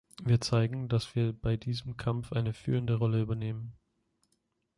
Wir zeigen, dass wir bei diesem Kampf eine führende Rolle übernehmen.